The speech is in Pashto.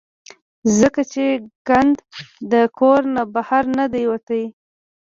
ځکه چې ګند د کور نه بهر نۀ دے وتے -